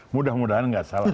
mudah mudahan nggak salah